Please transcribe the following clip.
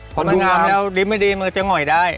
พอมันงามแล้วลิ้มไม่ดีมือจะหง่อยได้